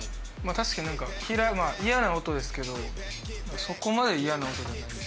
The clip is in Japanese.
確かになんかまあ嫌な音ですけどそこまで嫌な音じゃない。